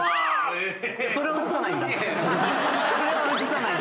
それは映さないんだ？